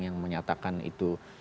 yang menyatakan itu